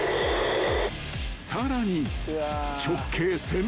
［さらに］